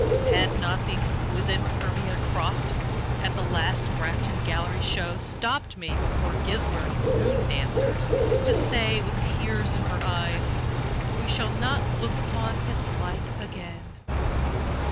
Had not the exquisite Hermia Croft, at the last Grafton Gallery show, stopped me before Gisburn's "Moon dancers" to say, with tears in her eyes: "We shall not look upon its like again"?